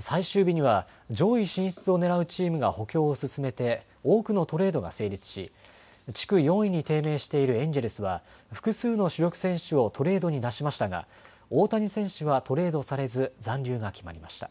最終日には上位進出をねらうチームが補強を進めて多くのトレードが成立し地区４位に低迷しているエンジェルスは複数の主力選手をトレードに出しましたが大谷選手はトレードされず残留が決まりました。